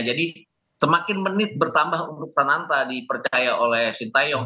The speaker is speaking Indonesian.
semakin menit bertambah untuk sananta dipercaya oleh sintayong